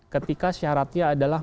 ketika syaratnya adalah